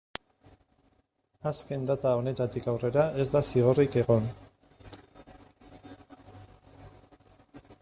Azken data honetatik aurrera ez da zigorrik egon.